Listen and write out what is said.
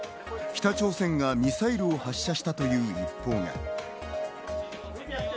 北朝鮮がミサイルを発射したという一報が。